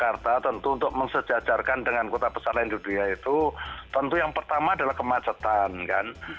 jakarta tentu untuk mensejajarkan dengan kota besar lain di dunia itu tentu yang pertama adalah kemacetan kan